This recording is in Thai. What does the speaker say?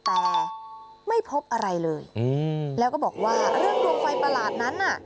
แต่ไม่พบอะไรเลยแล้วก็บอกว่าเรื่องดวงไฟประหลาดนั้นน่ะ